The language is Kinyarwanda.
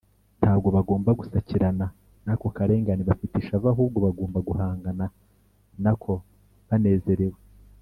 ntabwo bagomba gusakirana n’ako karengane bafite ishavu, ahubwo bagomba guhangana na ko banezerewe